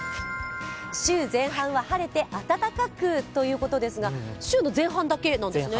週前半は晴れて暖かくということですが、週の前半だけなんですね？